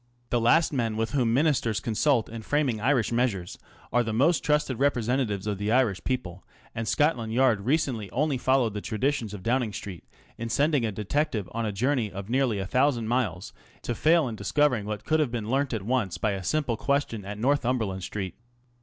The last men with whom Ministers consult in framing Irish measures are the most trusted representatives of the Irish people ; and Scotland Yard recently only followed the traditions of Downing Street in sending a detective on a journey of nearly a thousand miles to fail in discovering what could have been learnt at once by a simple question at Northumberland Street.